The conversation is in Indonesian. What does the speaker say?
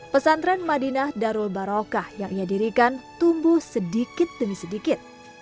pesantren madinah darul barokah yang ia dirikan tumbuh sedikit demi sedikit